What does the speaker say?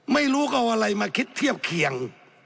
ไม่รู้ก็เอาอะไรมาคิดเทียบเคียง